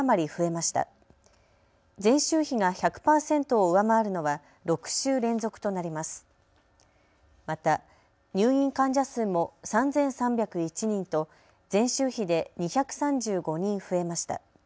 また、入院患者数も３３０１人と前週比で２３５人増えました。